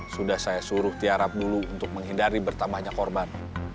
sudah saya suruh tiarap dulu untuk menghindari bertambahnya korban